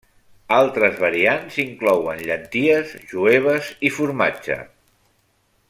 Altres variants inclouen llenties, jueves i formatge.